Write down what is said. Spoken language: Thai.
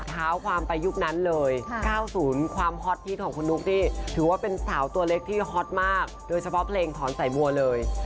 เท้าความไปยุคนั้นเลย๙๐ความฮอตฮิตของคุณนุ๊กนี่ถือว่าเป็นสาวตัวเล็กที่ฮอตมากโดยเฉพาะเพลงถอนใส่บัวเลย